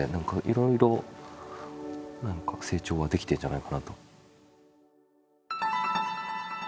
色々成長はできてるんじゃないかなと。